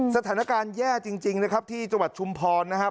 สถานการณ์แย่จริงนะครับที่จังหวัดชุมพรนะครับ